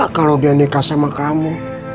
tidak opa kalau dia nikah sama kamu